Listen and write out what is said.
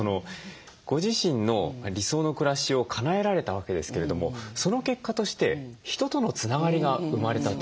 ご自身の理想の暮らしをかなえられたわけですけれどもその結果として人とのつながりが生まれたと。